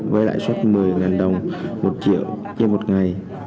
vây lãi suất một mươi đồng một triệu như một ngày